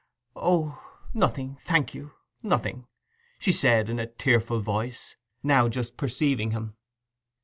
'O—nothing, thank you, nothing,' she said in a tearful voice, now just perceiving him.